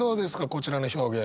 こちらの表現。